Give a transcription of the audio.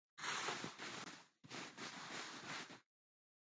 Wasita lulapaakunanpaq lumita aśhtapaakun.